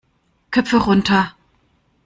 Köpfe runter!